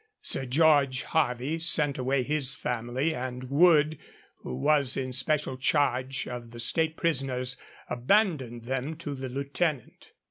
Sir George Harvey sent away his family, and Wood, who was in special charge of the State prisoners, abandoned them to the Lieutenant.